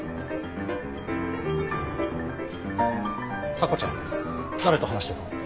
査子ちゃん誰と話してたの？